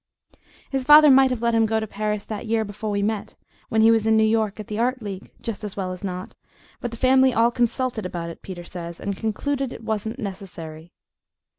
His father might have let him go to Paris that year before we met, when he was in New York at the Art League, just as well as not, but the family all consulted about it, Peter says, and concluded it wasn't "necessary."